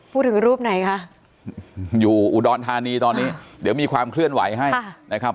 พูดถึงรูปไหนคะอยู่อุดรธานีตอนนี้เดี๋ยวมีความเคลื่อนไหวให้นะครับ